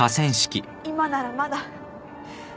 今ならまだ